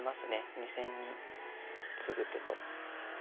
２線にツグ手と。